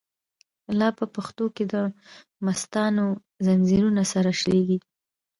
لاپه پښو کی دمستانو، ځنځیرونه سره شلیږی